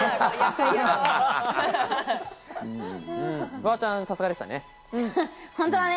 フワちゃん、さすがでしたね。